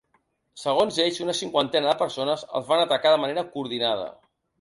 Segons ells, una cinquantena de persones els van atacar de manera coordinada.